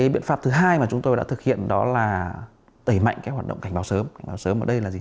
biện pháp thứ hai mà chúng tôi đã thực hiện đó là tẩy mạnh hoạt động cảnh báo sớm